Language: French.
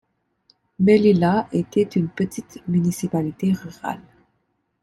Mellilä était une petite municipalité rurale.